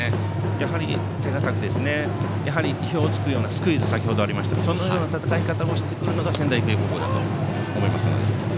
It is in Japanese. やはり手堅く意表を突くようなスクイズも先ほどありましたがそのような戦い方もできるのが仙台育英高校だと思います。